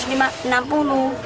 ini enam puluh gitu